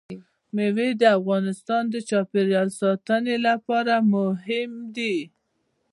مېوې د افغانستان د چاپیریال ساتنې لپاره مهم دي.